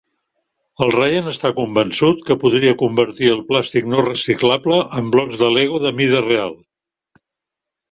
El Rayan està convençut que podria convertir el plàstic no reciclable en blocs de Lego de mida real.